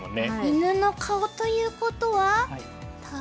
犬の顔ということはタ？